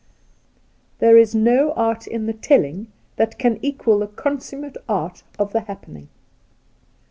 ' Theee is no wrt in the Telling that can equal the C07isummate art of the Happening